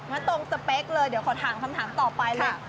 ตรงสเปคเลยเดี๋ยวขอถามคำถามต่อไปเลย